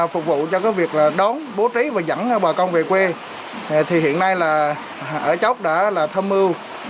phục vụ cho cái việc là đón bố trí và dẫn bà con về quê thì hiện nay là ở chốc đã là thâm mưu